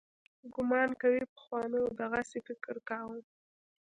ګومان کوي پخوانو دغسې فکر کاوه.